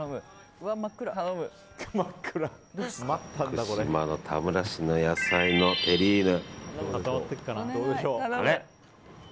福島の田村市の野菜のテリーヌ。